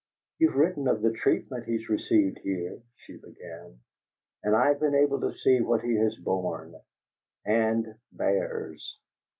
"You've written of the treatment he has received here," she began, "and I've been able to see what he has borne and bears!"